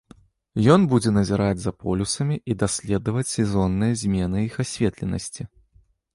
Ён будзе назіраць за полюсамі і даследаваць сезонныя змены іх асветленасці.